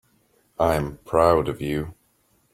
I'm proud of you.